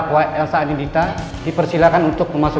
hai hadirin dipersilakan duduk kembali